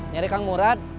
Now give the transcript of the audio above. nyari kang murad